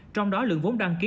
trong đó lượng vốn đăng ký